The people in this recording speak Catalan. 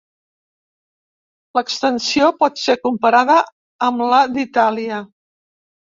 L'extensió pot ser comparada amb la d'Itàlia.